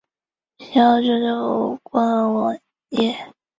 科尔翁是瑞士联邦西部法语区的沃州下设的一个镇。